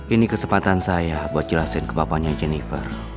ini kesempatan saya buat jelasin ke bapaknya jennifer